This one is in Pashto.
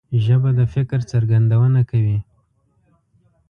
ژبه د فکر څرګندونه کوي